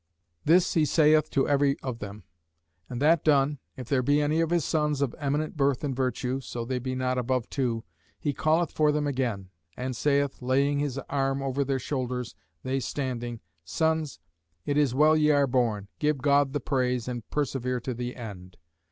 This he saith to every of them; and that done, if there be any of his sons of eminent merit and virtue, (so they be not above two,) he calleth for them again; and saith, laying his arm over their shoulders, they standing; Sons, it is well ye are born, give God the praise, and persevere to the end.